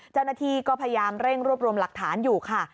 เจ้าหน้าที่ก็พยายามเร่งรวบรวมหลักฐานอยู่ค่ะ